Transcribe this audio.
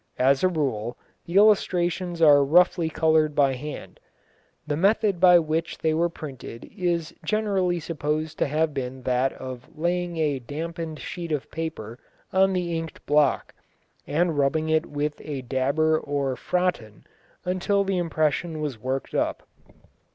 As a rule the illustrations are roughly coloured by hand. The method by which they were printed is generally supposed to have been that of laying a dampened sheet of paper on the inked block, and rubbing it with a dabber or frotton until the impression was worked up.